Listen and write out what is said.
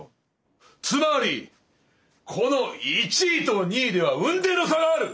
つまりこの１位と２位では雲泥の差がある！